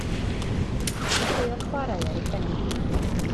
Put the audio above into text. Dechreuodd chwarae ar ei phen ei hun.